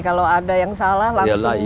kalau ada yang salah langsung